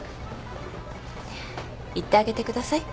行ってあげてください。